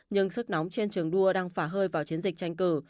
nhưng sức nóng trên trường đua đang phả hơi vào chiến dịch tranh cử